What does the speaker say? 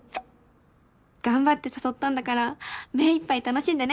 「頑張って誘ったんだからめいっぱい楽しんでね！」